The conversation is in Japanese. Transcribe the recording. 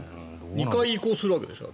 ２回移行するわけでしょ。